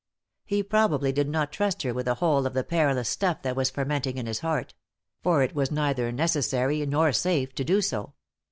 He probably did not trust her with the whole of the perilous stuff that was fermenting in his heart; for it was neither necessary nor safe to do so.